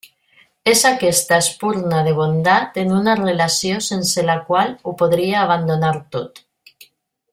És aquesta espurna de bondat en una relació sense la qual ho podria abandonar tot.